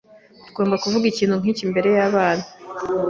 Ntugomba kuvuga ikintu nkicyo imbere yabana.